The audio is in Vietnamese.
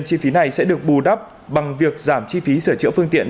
chi phí này sẽ được bù đắp bằng việc giảm chi phí sửa chữa phương tiện